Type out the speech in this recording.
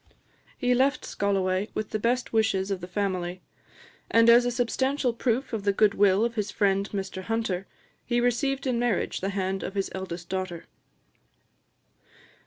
He left Scolloway with the best wishes of the family; and as a substantial proof of the goodwill of his friend Mr Hunter, he received in marriage the hand of his eldest daughter.